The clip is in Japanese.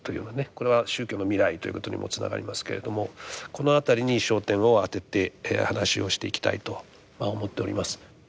これは宗教の未来ということにもつながりますけれどもこの辺りに焦点を当てて話をしていきたいとまあ思っております。